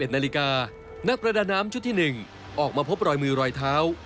๑นาฬิกานักประดาน้ำชุดที่๑ออกมาพบรอยมือรอยเท้า